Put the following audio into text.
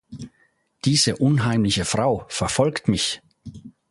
Diese unheimliche Frau verfolgt mich!